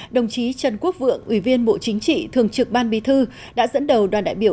đồng chí trần quốc vượng ủy viên bộ chính trị thường trực ban bí thư đã dẫn đầu đoàn đại biểu